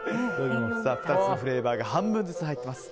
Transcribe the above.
２つのフレーバーが半分ずつ入っています。